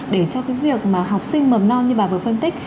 để cho cái việc mà học sinh mầm non như bà vừa phân tích